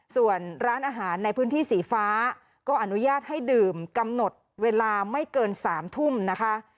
ส่วนร้านอาหารในพื้นที่สีฟ้าก็อนุญาตให้ดื่มกำหนดเวลาไม่เกิน๓ทุ่มนะคะ